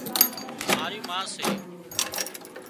ماري ما سي